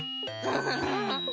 ンフフフ。